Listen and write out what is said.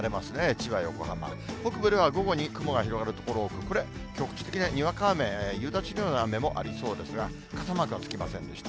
千葉、横浜、北部では午後に雲が広がる所が多く、これ、局地的なにわか雨、夕立のような雨もありそうですが、傘マークはつきませんでした。